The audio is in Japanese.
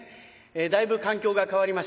だいぶ環境が変わりました。